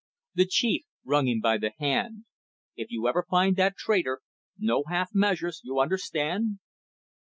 The chief wrung him by the hand. "If you ever find that traitor, no half measures, you understand."